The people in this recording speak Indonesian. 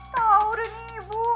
tahu deh ibu